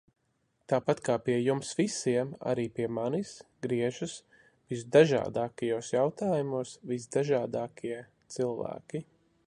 Tāpat kā pie jums visiem, arī pie manis griežas visdažādākajos jautājumos visdažādākie cilvēki.